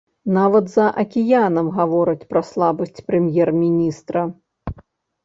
Нават за акіянам гавораць пра слабасць прэм'ер-міністра.